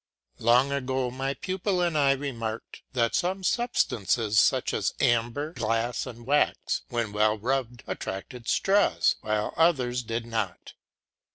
Long ago my pupil and I remarked that some substances such as amber, glass, and wax, when well rubbed, attracted straws, while others did not.